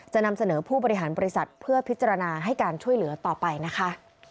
จะนำเสนอผู้บริหารบริษัทเพื่อพิจารณาให้การช่วยเหลือต่อไปนะคะ